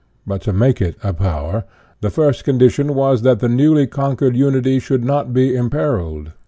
But to make it a power, the first condi tion was that the newly conquered unity should not be imperiled.